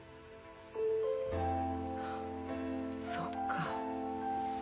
そっか。